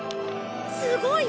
すごい！